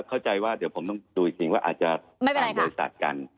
เข้าใจว่าเดี๋ยวผมต้องดูอีกสิ่งว่าอาจจะจ้างบริษัทกัน